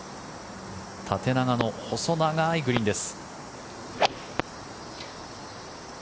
縦長の細長いグリーンです。